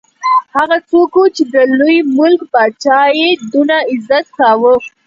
هغه څوک وو چې د لوی ملک پاچا یې دونه عزت کاوه.